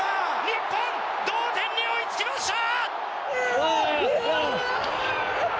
日本、同点に追いつきました！